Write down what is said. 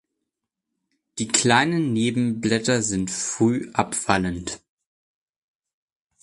Die kleinen Nebenblätter sind früh abfallend.